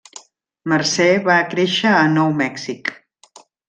Mercer va créixer a Nou Mèxic.